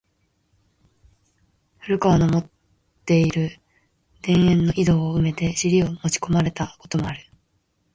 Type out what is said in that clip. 古川の持つて居る田圃の井戸を埋めて尻を持ち込まれた事もある。